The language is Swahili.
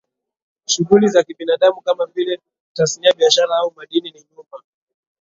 Shughuli za kibinadamu kama vile tasnia biashara au madini ni nyuma